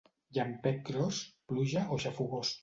Llampec gros, pluja o xafogors.